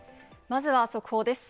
まずは速報です。